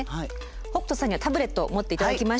北斗さんにはタブレットを持って頂きました。